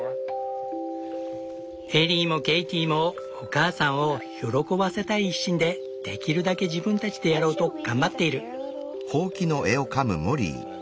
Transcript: エリーもケイティもお母さんを喜ばせたい一心でできるだけ自分たちでやろうと頑張っている。